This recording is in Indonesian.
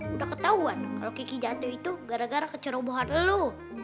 udah ketauan kalo kiki jatuh itu gara gara kecerobohan lo